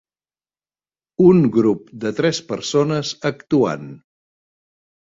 Un grup de tres persones actuant.